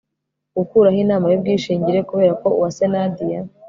gukuraho inama y ubwishingire kubera ko UWASE Nadia